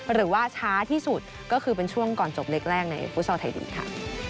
หรือว่าช้าที่สุดก็คือเป็นช่วงก่อนจบเล็กแรกในฟุตซอลไทยลีกค่ะ